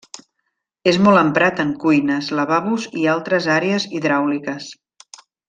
És molt emprat en cuines, lavabos i altres àrees hidràuliques.